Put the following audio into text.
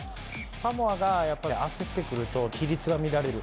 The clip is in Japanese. サモアがやっぱり焦ってくると、規律が乱れる。